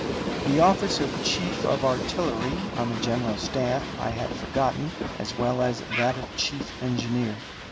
The office of chief of artillery on the general staff I had forgotten, as well as that of chief engineer.